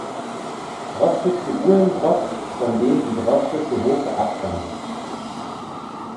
Droste zu Uhlenbrock, von dem die Droste zu Hofe abstammen.